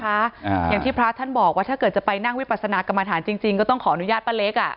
อย่างที่พระท่านบอกว่าถ้าเกิดจะไปนั่งวิปัสนากรรมฐานจริงจริงก็ต้องขออนุญาตป้าเล็กอ่ะ